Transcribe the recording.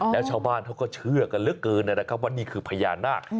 แล้วชาวบ้านเขาก็เชื่อกันเหลือเกินนะครับว่านี่คือพญานาค